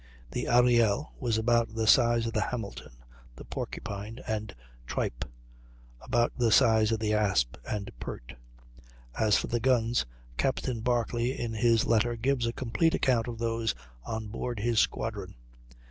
The Ariel was about the size of the Hamilton; the Porcupine and Trippe about the size of the Asp and Pert. As for the guns, Captain Barclay in his letter gives a complete account of those on board his squadron.